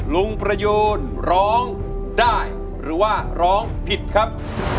ลุงประยูนร้องได้หรือว่าร้องผิดครับ